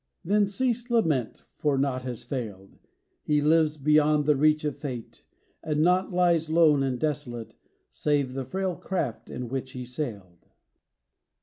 Then cease lament, for nought has failed: He lives beyond the reach of fate; And nought lies lone and desolate Save the frail craft in which he sailed.